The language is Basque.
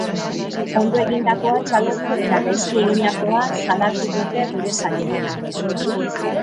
Ondo egindakoa txalotu eta gaizki eginikoa salatuko dute gure saioan.